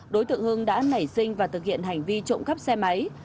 đối tượng hưng đã nảy sinh và thực hiện hành vi trộm cắp xe máy